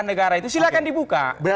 negara itu silahkan dibuka